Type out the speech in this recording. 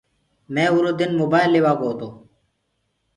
مينٚ اُرو دن موبآئيل ليوآ گو تو۔